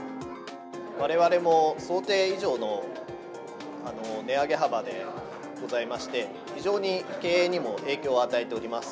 われわれも想定以上の値上げ幅でございまして、非常に経営にも影響を与えております。